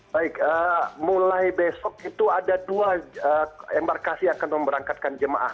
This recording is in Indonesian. baik mulai besok itu ada dua embarkasi yang akan memberangkatkan jemaah